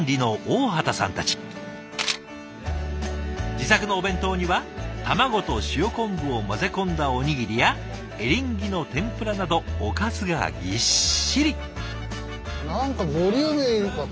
自作のお弁当には卵と塩昆布を混ぜ込んだおにぎりやエリンギの天ぷらなどおかずがぎっしり。